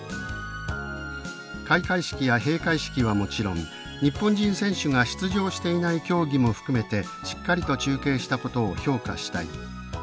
「開会式や閉会式はもちろん日本人選手が出場していない競技も含めてしっかりと中継したことを評価したい」